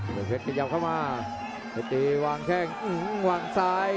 หยกเพชรกระยับเข้ามาเพชรตรีวางแข้งอื้อวางซ้าย